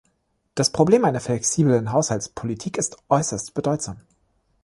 Das Problem einer flexiblen Haushaltspolitik ist äußerst bedeutsam.